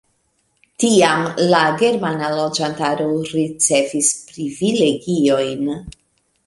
Tiam la germana loĝantaro ricevis privilegiojn.